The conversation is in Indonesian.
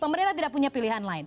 pemerintah tidak punya pilihan lain